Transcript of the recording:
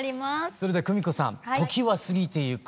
それではクミコさん「時は過ぎてゆく」